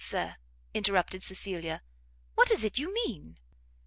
Sir," interrupted Cecilia, "what is it you mean?"